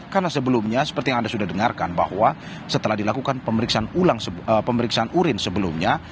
karena sebelumnya seperti yang anda sudah dengarkan bahwa setelah dilakukan pemeriksaan urin sebelumnya